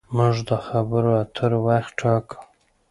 موږ د خبرو اترو وخت ټاکو.